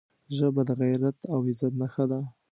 ژبه د غیرت او عزت نښه ده